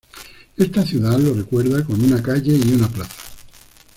Esta ciudad lo recuerda con una calle y una plaza.